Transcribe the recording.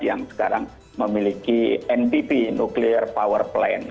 yang sekarang memiliki npp nucliar power plant